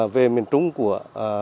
về miền trung của